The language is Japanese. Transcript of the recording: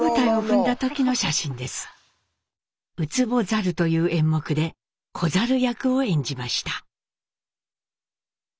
「靭猿」という演目で小猿役を演じました。